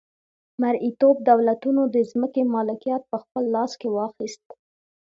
مرئیتوب دولتونو د ځمکې مالکیت په خپل لاس کې واخیست.